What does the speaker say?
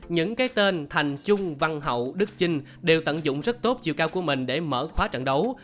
những cái tên thành trung văn hậu đức chinh đều tận dụng rất tốt chiều cao của mình để mở khóa trận đấu